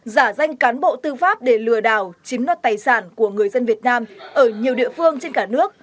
giả danh cán bộ tư pháp để lừa đảo chiếm đoạt tài sản của người dân việt nam ở nhiều địa phương trên cả nước